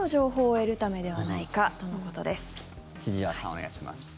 お願いします。